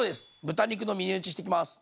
豚肉の峰打ちしていきます。